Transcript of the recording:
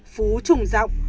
phú trùng rọng